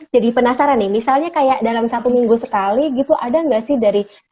jadi penasaran nih misalnya kayak dalam satu minggu sekali gitu ada gak sih dari